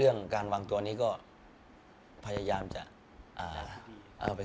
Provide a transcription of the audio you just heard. หรือการวางตัวมันบำบากกว่าใช่ไหม